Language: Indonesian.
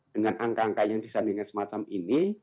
dengan angka angka yang disandingkan semacam ini